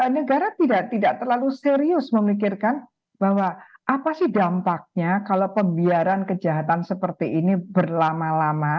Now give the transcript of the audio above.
negara tidak terlalu serius memikirkan bahwa apa sih dampaknya kalau pembiaran kejahatan seperti ini berlama lama